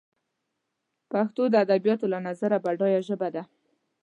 پښتو دادبیاتو له نظره بډایه ژبه ده